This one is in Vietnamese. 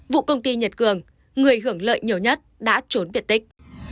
vụ công ty nhật cường người hưởng lợi nhiều nhất đã trốn biệt tích